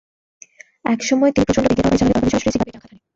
এক সময় তিনি প্রচণ্ড বেগে তরবারি চালালে তরবারি সরাসরি সিবার পেটে আঘাত হানে।